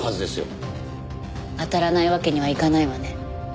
当たらないわけにはいかないわね。